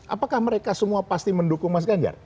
apakah mereka semua pasti mendukung mas ganjar